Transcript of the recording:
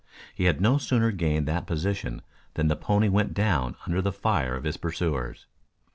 He had no sooner gained that position than the pony went down under the fire of his pursuers.